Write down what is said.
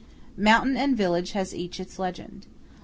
Mountain and village has each its legend.